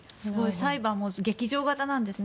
裁判も劇場型なんですね